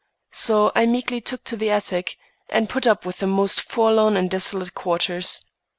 So I meekly took to the attic, and put up with the most forlorn and desolate quarters.